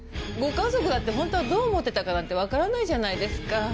ご家族だってホントはどう思ってたかなんて分からないじゃないですか。